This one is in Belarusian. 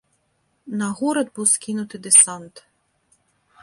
На горад быў скінуты дэсант.